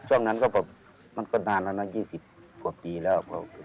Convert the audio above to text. ช่วงนั้นก็แบบมันก็นานแล้วนะ๒๐กว่าปีแล้ว